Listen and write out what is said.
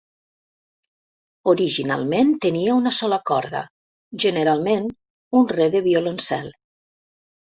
Originalment tenia una sola corda, generalment un Re de violoncel.